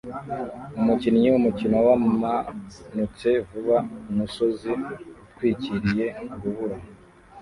Umukinnyi wumukino wamanutse vuba umusozi utwikiriye urubura